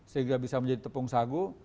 sehingga bisa menjadi tepung sagu